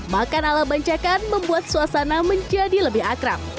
makan ala bancakan membuat suasana menjadi lebih akrab